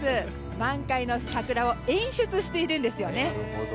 満開の桜を演出しているんですよね。